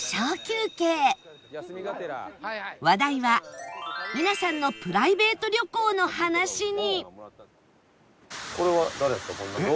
話題は皆さんのプライベート旅行の話に